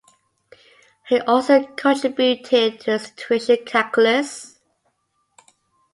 He also contributed to the situation calculus.